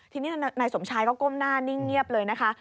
ทีนี้นายสมชายก็ก้มหน้านิ่งเงียบเลยนะคะ